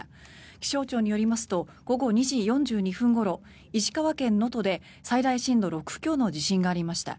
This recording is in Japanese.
気象庁によりますと午後２時４２分ごろ石川県能登で最大震度６強の地震がありました。